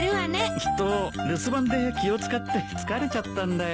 きっと留守番で気を使って疲れちゃったんだよ。